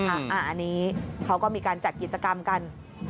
อันนี้เขาก็มีการจัดกิจกรรมกัน